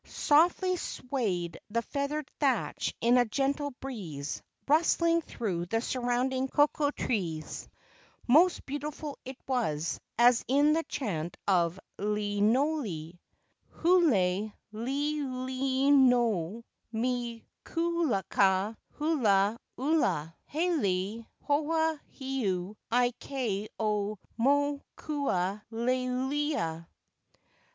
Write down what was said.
Softly swayed the feathered thatch in a gentle breeze, rustling through the surrounding coco¬ trees. Most beautiful it was, as in the chant of Lilinoe : "Hulei Lilinoe me Kuka hua ula; Hele Hoaheo i kai o Mokuleia."